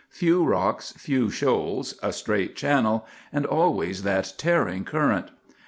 Few rocks, few shoals, a straight channel, and always that tearing current.